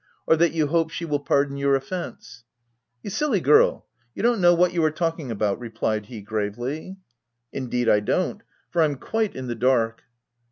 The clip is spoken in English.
or that you hope she will pardon your offence ?" iC You silly girl ! you don't know what you are talking about, " replied he gravely. " Indeed I don't; for I'm quite in the dark."